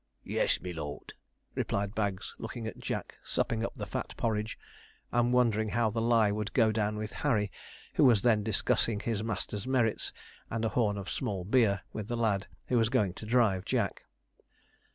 'Yes, me lord,' replied Bags, looking at Jack supping up the fat porridge, and wondering how the lie would go down with Harry, who was then discussing his master's merits and a horn of small beer with the lad who was going to drive Jack.